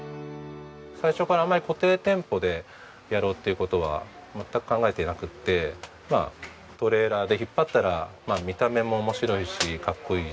最初からあまり固定店舗でやろうっていう事は全く考えていなくてトレーラーで引っ張ったら見た目も面白いしかっこいいし。